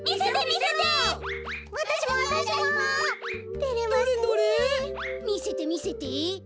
みせてみせて。